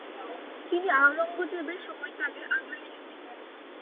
তিনি আওরঙ্গজেবের সময়কালে আগ্রায় এসেছিলেন।